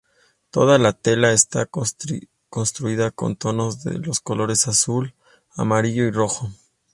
Toda la tela está construida con tonos de los colores azul, amarillo y rojo.